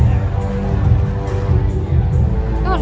สโลแมคริปราบาล